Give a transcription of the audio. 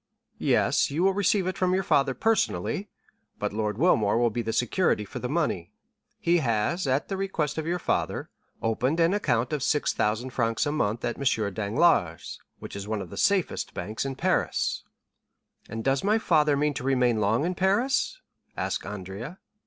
"Yes, you will receive it from your father personally, but Lord Wilmore will be the security for the money. He has, at the request of your father, opened an account of 5,000 francs a month at M. Danglars', which is one of the safest banks in Paris." "And does my father mean to remain long in Paris?" asked Andrea.